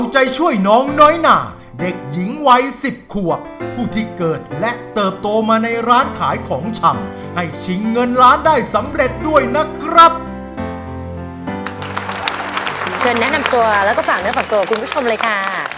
เชิญแนะนำตัวแล้วก็ฝากเนื้อฝากตัวคุณผู้ชมเลยค่ะ